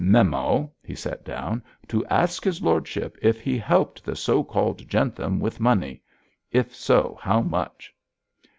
'Memo,' he set down, 'to ask his lordship if he helped the so called Jentham with money. If so, how much?'